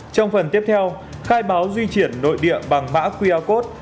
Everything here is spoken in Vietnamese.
trong phần tiếp theo khai báo duy triển nội địa bằng mã qr code